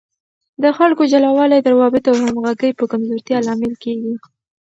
د خلکو جلاوالی د روابطو او همغږۍ په کمزورتیا لامل کیږي.